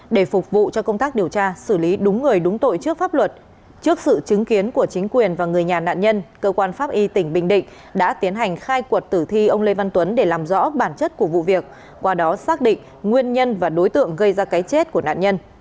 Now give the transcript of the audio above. để phục vụ cho công tác điều tra xử lý đúng người đúng tội trước pháp luật trước sự chứng kiến của chính quyền và người nhà nạn nhân cơ quan pháp y tỉnh bình định đã tiến hành khai quật tử thi ông lê văn tuấn để làm rõ bản chất của vụ việc qua đó xác định nguyên nhân và đối tượng gây ra cái chết của nạn nhân